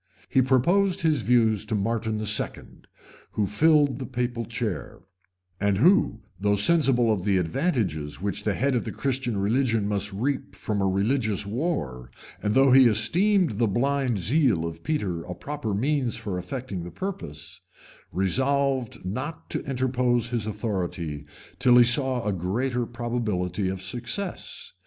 [*] He proposed his views to Martin II., who filled the papal chair, and who, though sensible of the advantages which the head of the Christian religion must reap from a religious war, and though he esteemed the blind zeal of Peter a proper means for effecting the purpose,[] resolved not to interpose his authority till he saw a greater probability of success.